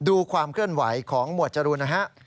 ดูความเคลื่อนไหวของหมวดจรูนนะฮะ